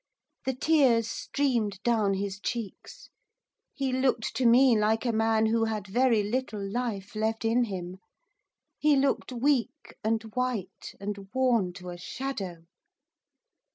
The tears streamed down his cheeks. He looked to me like a man who had very little life left in him. He looked weak, and white, and worn to a shadow.